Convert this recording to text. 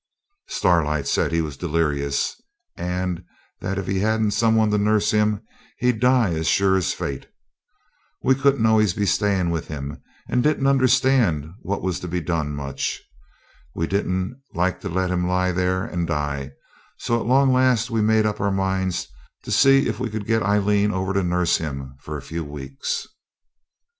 Starlight said he was delirious, and that if he hadn't some one to nurse him he'd die as sure as fate. We couldn't be always staying with him, and didn't understand what was to be done much. We didn't like to let him lie there and die, so at long last we made up our minds to see if we could get Aileen over to nurse him for a few weeks.